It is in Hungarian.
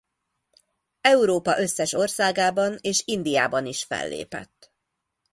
Európa összes országában és Indiában is fellépett.